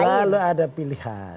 selalu ada pilihan